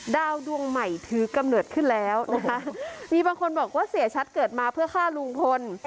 ดวงใหม่ถือกำเนิดขึ้นแล้วนะคะมีบางคนบอกว่าเสียชัดเกิดมาเพื่อฆ่าลุงพล